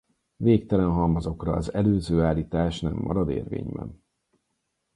Végtelen halmazokra az előző állítás nem marad érvényben.